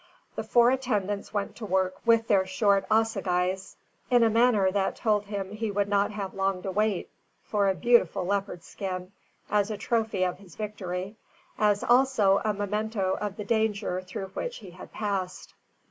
The four attendants went to work with their short assagais, in a manner that told him he would not have long to wait for a beautiful leopard skin, as a trophy of his victory, as also a memento of the danger through which he had passed.